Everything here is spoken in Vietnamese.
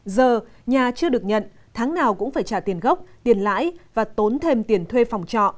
giờ nhà chưa được nhận tháng nào cũng phải trả tiền gốc tiền lãi và tốn thêm tiền thuê phòng trọ